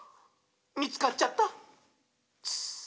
みつかっちゃった！」